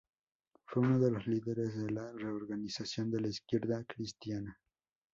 Fue uno de los líderes de la reorganización de la Izquierda Cristiana.